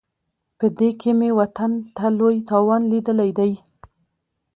په دې کې مې وطن ته لوی تاوان لیدلی دی.